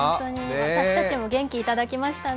私たちも元気いただきましたね。